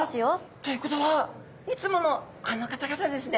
ということはいつものあの方々ですね。